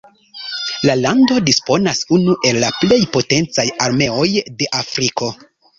La lando disponas unu el la plej potencaj armeoj de Afriko.